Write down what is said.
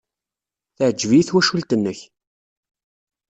Teɛjeb-iyi twacult-nnek.